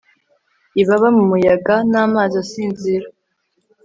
Ibaba mu muyaga namazi asinzira